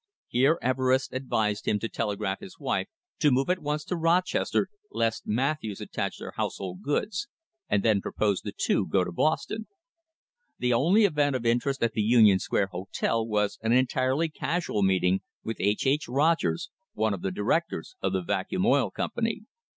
Here Everest advised him to telegraph his wife to move at once to Rochester lest Matthews attach THE HISTORY OF THE STANDARD OIL COMPANY their household goods, and then proposed the two go to Boston. The only event of interest at the Union Square Hotel was an entirely casual meeting with H. H. Rogers, one of the directors of the Vacuum Oil Company.